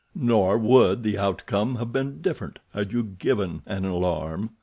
Nor would the outcome have been different had you given an alarm.